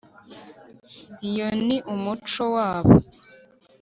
iyo ni umuco wabo